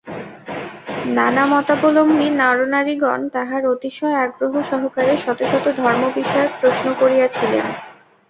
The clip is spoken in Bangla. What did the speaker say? নানামতাবলম্বী নরনারীগণ তাঁহাকে অতিশয় আগ্রহ সহকারে শত শত ধর্মবিষয়ক প্রশ্ন করিয়া ছিলেন।